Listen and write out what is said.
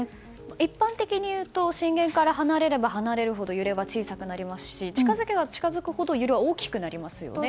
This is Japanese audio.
一般的にいうと震源から離れれば離れるほど揺れは小さくなりますし近づけば近づくほど揺れは大きくなりますよね。